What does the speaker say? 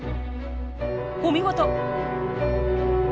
お見事！